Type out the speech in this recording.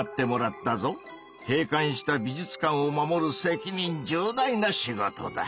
閉館した美術館を守る責任重大な仕事だ。